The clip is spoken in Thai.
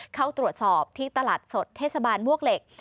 เข้าตรวจสอบที่ตลาดสดเทศบาลมวกเหล็ก